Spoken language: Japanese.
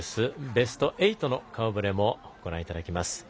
ベスト８の顔ぶれもご覧いただきます。